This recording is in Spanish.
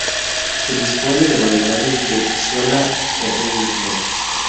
Se dispone de variedades de sola o doble flor.